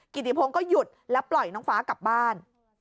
กิติพงศ์ก็หยุดแล้วปล่อยน้องฟ้ากลับบ้าน